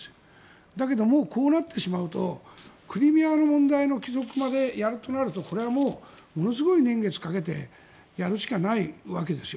だけど、こうなってしまうとクリミアの問題までやるとなるとこれはものすごい年月をかけてやるしかないわけですよ。